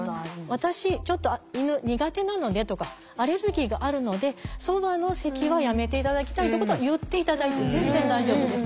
私ちょっと犬苦手なのでとかアレルギーがあるのでそばの席はやめて頂きたいってことは言って頂いて全然大丈夫です。